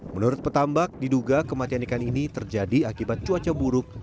menurut petambak diduga kematian ikan ini terjadi akibat cuaca buruk